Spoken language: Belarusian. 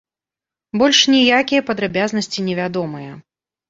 Больш ніякія падрабязнасці невядомыя.